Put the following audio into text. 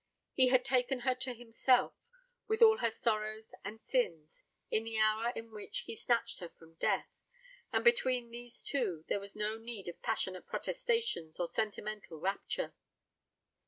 He had taken her to himself, with all her sorrows and sins, in the hour in which he snatched her from death; and between these two there was no need of passionate protestations or sentimental rapture.